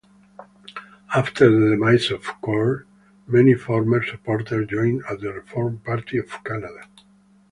After the demise of CoR, many former supporters joined the Reform Party of Canada.